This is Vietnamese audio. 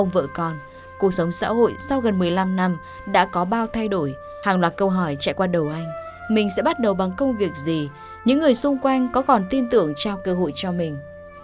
vì xung quanh có còn tin tưởng trao cơ hội cho mình